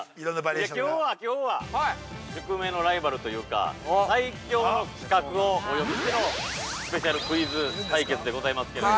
いや、きょうはきょうは宿命のライバルというか最強の刺客をお呼びしてのスペシャルクイズ対決でございますけれども。